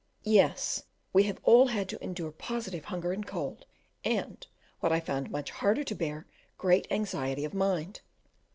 Yes, we have all had to endure positive hunger and cold, and, what I found much harder to bear, great anxiety of mind.